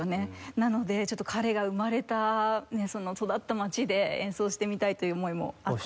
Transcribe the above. なのでちょっと彼が生まれた育った街で演奏してみたいという思いもあって。